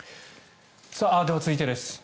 では、続いてです。